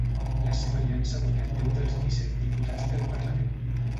La seva aliança ha guanyat deu dels disset diputats del parlament.